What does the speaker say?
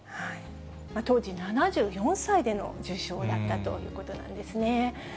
当時７４歳での受章だったということなんですね。